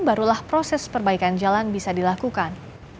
barulah proses perbaikan jalan bisa dilakukan